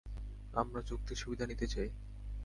আমরা চুক্তির সুবিধা নিতে চাই।